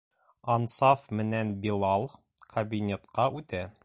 Ансаф менән Билал кабинетҡа үтә.